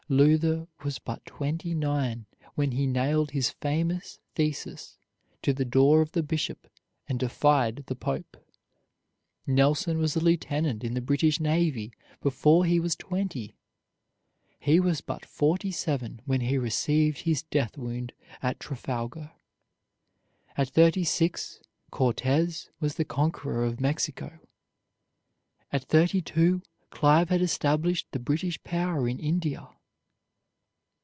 Luther was but twenty nine when he nailed his famous thesis to the door of the bishop and defied the pope. Nelson was a lieutenant in the British Navy before he was twenty. He was but forty seven when he received his death wound at Trafalgar. At thirty six, Cortez was the conqueror of Mexico; at thirty two, Clive had established the British power in India.